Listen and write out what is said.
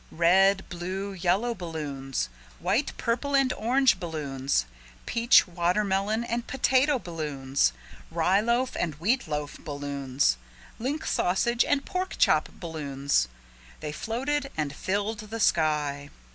Red, blue, yellow balloons, white, purple and orange balloons peach, watermelon and potato balloons rye loaf and wheat loaf balloons link sausage and pork chop balloons they floated and filled the sky.